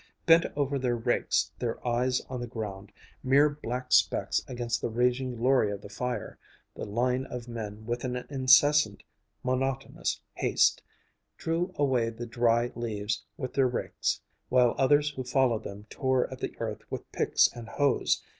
Bent over their rakes, their eyes on the ground, mere black specks against the raging glory of the fire, the line of men, with an incessant monotonous haste, drew away the dry leaves with their rakes, while others who followed them tore at the earth with picks and hoes.